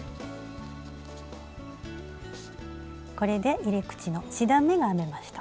これで入れ口の１段めが編めました。